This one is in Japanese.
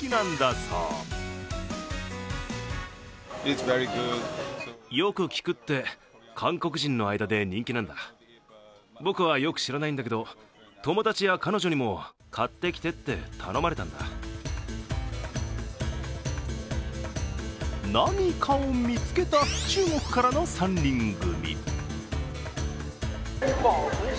そう何かを見つけた中国からの３人組。